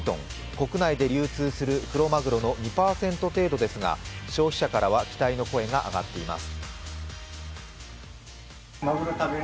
国内で流通するクロマグロの２％程度ですが消費者からは期待の声が上がっています。